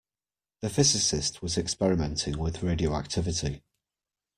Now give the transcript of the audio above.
The physicist was experimenting with radioactivity.